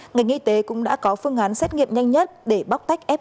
ngành y tế cũng đã có phương án xét nghiệm nhanh nhất để bóc tách fi